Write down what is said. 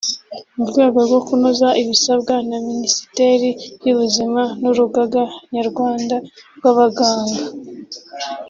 mu rwego rwo kunoza ibisabwa na Minisiteri y’Ubuzima n’Urugaga Nyarwanda rw’Abaganga